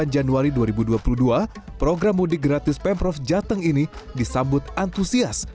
dua puluh januari dua ribu dua puluh dua program mudik gratis pemprov jateng ini disambut antusias